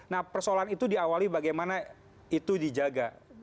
nah persoalan itu diawali bagaimana itu dijaga